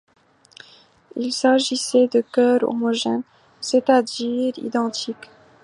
Il s’agissait de cœurs homogènes, c’est-à-dire identiques.